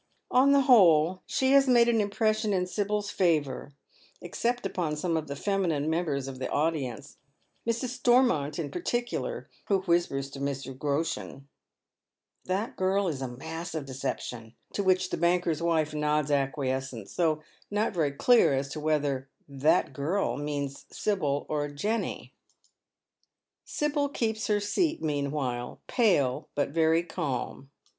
On tho whole she has made an impression in Sibyl's favour, except upon some of the feminine members of the audience, Mrs. Stormont in particular, who whispers to Mrs. Groshen, —" That girl is a mass of deception ;" to which the banker's wifa nods acquiescence, though not very clear as to whether " that girl " means Sibyl or Jenny. Sibyl keeps her scat meanwhile, pale but very calm.